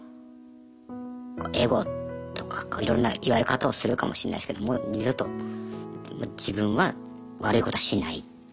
エゴとかいろんな言われ方をするかもしれないですけどもう二度と自分は悪いことはしない。